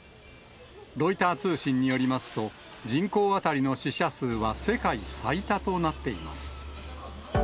ロイター通信によりますと、人口当たりの死者数は世界最多となっています。